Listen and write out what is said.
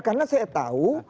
karena saya tahu